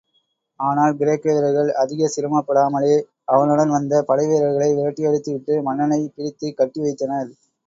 ஆனால், கிரேக்க வீரர்கள் அதிகச் சிரமப்படாமலே அவனுடன் வந்த படைவீரர்களை விரட்டியடித்துவிட்டு மன்னனைப் பிடித்துக் கட்டி வைத்தனர்.